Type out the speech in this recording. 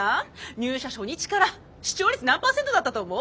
入社初日から視聴率何パーセントだったと思う？